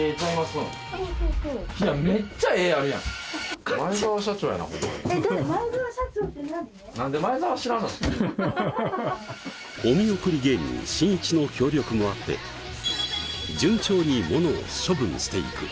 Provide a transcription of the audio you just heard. そうそうお見送り芸人しんいちの協力もあって順調に物を処分していく